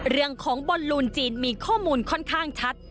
เรื่องของบอลลูนจีนมีข้อมูลค่อนข้างชัด